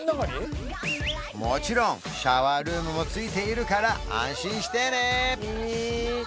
もちろんシャワールームも付いているから安心してね！